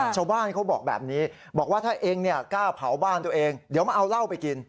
เขาบอกแบบนี้บอกว่าถ้าเองกล้าเผาบ้านตัวเองเดี๋ยวมาเอาเหล้าไปกิน